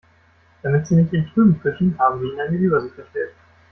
Damit Sie nicht im Trüben fischen, haben wir Ihnen eine Übersicht erstellt.